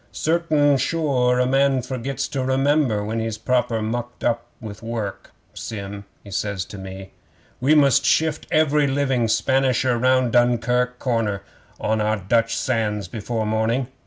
'"Certain sure a man forgets to remember when he's proper mucked up with work. Sim," he says to me, "we must shift every living Spanisher round Dunkirk corner on to our Dutch sands before morning.